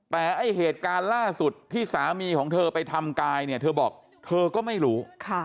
แต่ไอ้เหตุการณ์ล่าสุดที่สามีของเธอไปทำกายเนี่ยเธอบอกเธอก็ไม่รู้